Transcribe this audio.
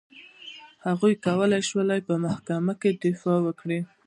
هغوی کولای شول په محکمو کې دفاع وکړي.